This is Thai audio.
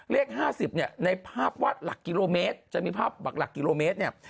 เลข๕๐เนี่ยในภาพวาดหลักกิโลเมตรจะมีภาพหลักกิโลเมตรเนี่ย